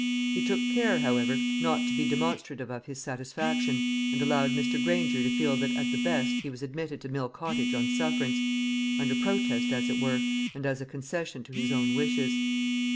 He took care, however, not to be demonstrative of his satisfaction, and allowed Mr. Granger to feel that at the best he was admitted to Mill Cottage on sufferance, under protest as it were, and as a concession to his own wishes.